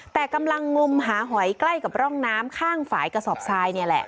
แต่กำลังงมหาหอยใกล้กับร่องน้ำข้างฝ่ายกระสอบทรายนี่แหละ